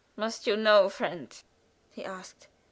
"Must you know, friend?" he asked.